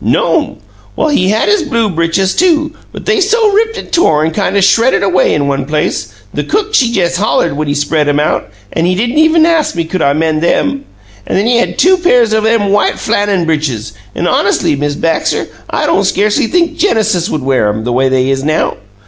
No'm! Well, he had his blue britches, too, but they's so ripped an' tore an' kind o' shredded away in one place, the cook she jes' hollered when he spread 'em out, an' he didn' even ast me could I mend 'em. An' he had two pairs o' them white flannen britches, but hones'ly, Miz Baxter, I don't scarcely think Genesis would wear 'em, the way they is now!